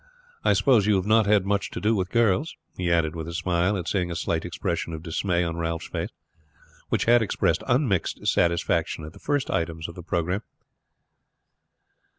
I suppose you have not had much to do with girls?" he added with a smile at seeing a slight expression of dismay on Ralph's face, which had expressed unmixed satisfaction at the first items of the programme.